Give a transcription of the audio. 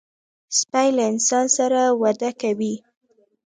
سپي له انسان سره وده کوي.